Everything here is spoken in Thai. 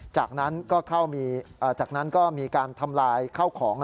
จากนั้นก็มีการทำลายข้าวของ